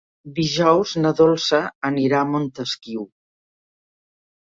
Dijous na Dolça anirà a Montesquiu.